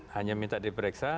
hanya minta diperiksa